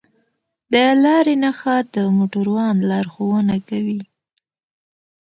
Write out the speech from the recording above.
د لارې نښه د موټروان لارښوونه کوي.